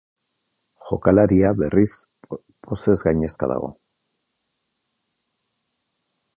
Jokalaria, berriz, pozez gainezka dago.